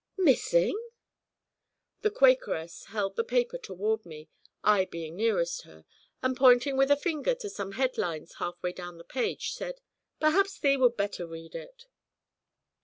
'Missing?' The Quakeress held the paper toward me, I being nearest her, and pointing with a finger to some headlines half way down the page, said: 'Perhaps thee would better read it.'